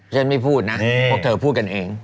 ฉันไม่พูดนะเพราะเธอพูดกันเอง